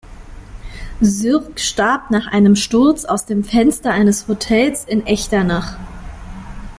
Sirk starb nach einem Sturz aus dem Fenster eines Hotels in Echternach.